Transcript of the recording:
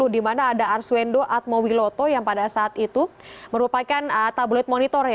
di mana ada arswendo atmobiloto yang pada saat itu merupakan tabloid monitor